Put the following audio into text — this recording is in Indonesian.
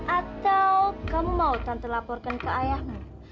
atau kamu mau tanpa laporkan ke ayahmu